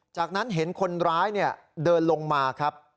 จากนั้นเห็นคนร้ายเดินลงมาครับ